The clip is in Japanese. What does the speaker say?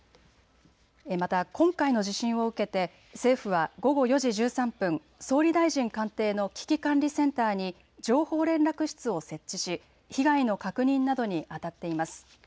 また今回の地震を受けて政府は午後４時１３分、総理大臣官邸の危機管理センターに情報連絡室を設置し、被害の確認などにあたっています。